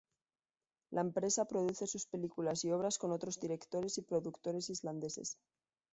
La empresa produce sus películas y obras con otros directores y productores islandeses.